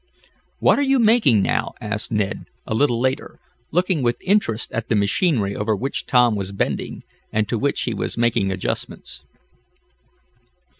"What are you making now?" asked Ned, a little later, looking with interest at the machinery over which Tom was bending, and to which he was making adjustments.